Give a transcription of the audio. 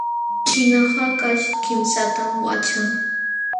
Ćhina hakaśh kimsatam waćhan.